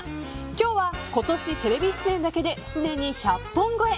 今日は今年テレビ出演だけですでに１００本超え。